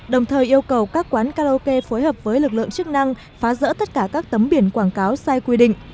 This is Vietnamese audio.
đồng thời yêu cầu các quán karaoke phối hợp với lực lượng chức năng phá rỡ tất cả các tấm biển quảng cáo sai quy định